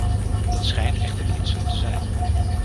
Dat schijnt echter niet zo te zijn.